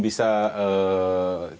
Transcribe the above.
bulannya mungkin belum bisa